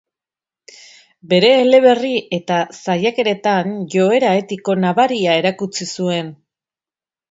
Bere eleberri eta saiakeretan joera etiko nabaria erakutsi zuen.